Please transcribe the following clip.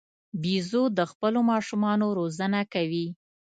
بیزو د خپلو ماشومانو روزنه کوي.